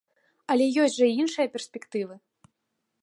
Але ёсць жа і іншыя перспектывы.